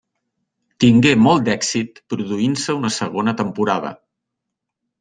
Tingué molt d'èxit produint-se una segona temporada.